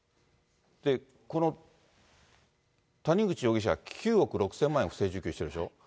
この谷口容疑者、９億６０００万円を不正受給してるでしょ。